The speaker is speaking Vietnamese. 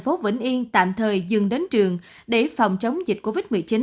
phố vĩnh yên tạm thời dừng đến trường để phòng chống dịch covid một mươi chín